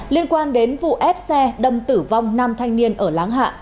liên quan đến vụ ép xe đâm tử vong năm thanh niên ở láng hạ